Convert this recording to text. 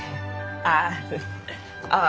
ああ。